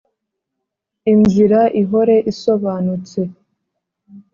inzira ihore isobanutse,